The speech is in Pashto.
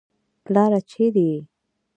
پلاره چېرې يې.